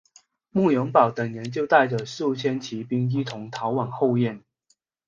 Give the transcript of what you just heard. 慕容宝等人就带着数千骑兵一同逃返后燕。